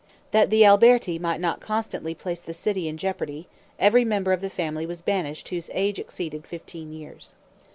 That the Alberti might not constantly place the city in jeopardy, every member of the family was banished whose age exceeded fifteen years.